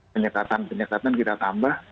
penyekatan penyekatan kita tambah